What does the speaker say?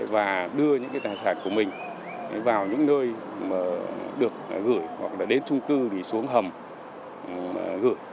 và đưa những cái tài sản của mình vào những nơi mà được gửi hoặc là đến trung cư thì xuống hầm gửi